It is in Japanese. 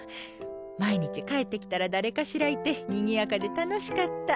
毎日帰ってきたら誰かしらいてにぎやかで楽しかった。